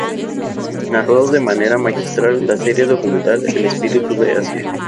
Narró de manera magistral la serie documental "El Espíritu de Asia".